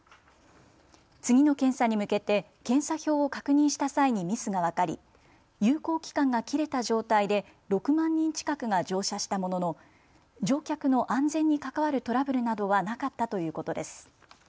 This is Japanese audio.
次の検査に向けて検査表を確認した際にミスが分かり有効期間が切れた状態で６万人近くが乗車したものの乗客の安全に関わるトラブルなどはなかったということです。